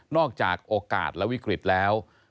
อกจากโอกาสและวิกฤตแล้ว